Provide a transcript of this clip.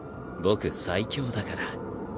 僕最強だから。